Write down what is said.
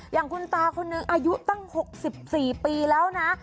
อย่างคุณตาคนนึงอายุตั้ง๖๔ปีแล้วนะ